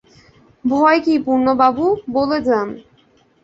ভয় কী পূর্ণবাবু, বলে যান।